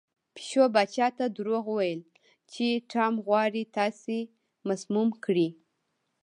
پیشو پاچا ته دروغ وویل چې ټام غواړي تاسې مسموم کړي.